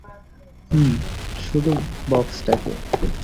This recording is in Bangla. হুম, শুধু বক্সটাকে।